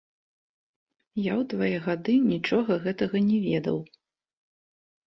Я ў твае гады нічога гэтага не ведаў.